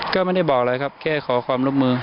ก็ไม่ได้บอกอะไรครับแค่ขอความร่วมมือ